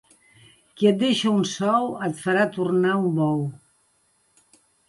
Qui et deixa un sou et farà tornar un bou.